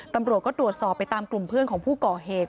ตำรวจก็ตรวจสอบไปตามกลุ่มเพื่อนของผู้ก่อเหตุ